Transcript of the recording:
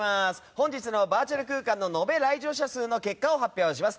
本日のバーチャル空間の延べ来場者数の結果を発表します。